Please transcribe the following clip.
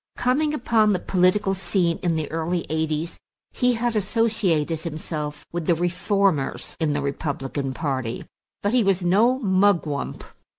Coming upon the political scene in the early eighties, he had associated himself with the reformers in the Republican party; but he was no Mugwump.